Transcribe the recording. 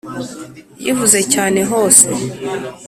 Yivuze cyane hose